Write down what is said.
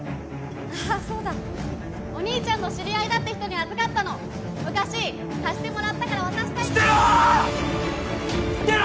ああそうだお兄ちゃんの知り合いだって人に預かったの昔貸してもらったから渡したい捨てろ！